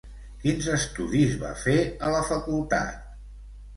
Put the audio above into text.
Quins estudis va fer a la facultat?